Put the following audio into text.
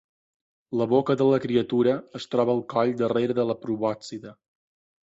La boca de la criatura es troba al coll darrere de la probòscide.